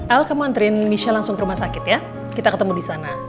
al kamu anterin michelle langsung ke rumah sakit ya kita ketemu di sana